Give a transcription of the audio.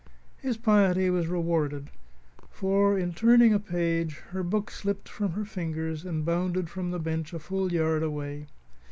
His piety was rewarded, for, in turning a page, her book slipped from her fingers and bounded from the bench a full yard away.